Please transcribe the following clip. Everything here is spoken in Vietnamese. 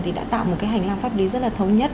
thì đã tạo một cái hành lang pháp lý rất là thống nhất